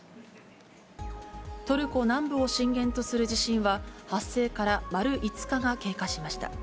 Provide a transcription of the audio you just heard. トルコ南部を震源とする地震は発生から丸５日が経過しました。